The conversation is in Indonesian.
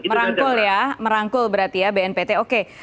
merangkul ya merangkul berarti ya bnpt oke